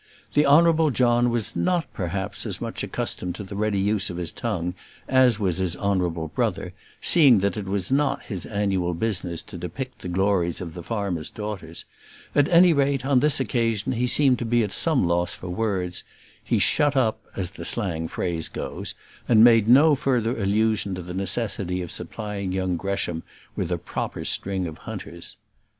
The Honourable John was not, perhaps, as much accustomed to the ready use of his tongue as was his honourable brother, seeing that it was not his annual business to depict the glories of the farmers' daughters; at any rate, on this occasion he seemed to be at some loss for words; he shut up, as the slang phrase goes, and made no further allusion to the necessity of supplying young Gresham with a proper string of hunters.